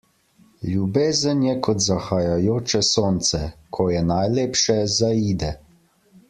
Ljubezen je kot zahajajoče sonce; ko je najlepše, zaide.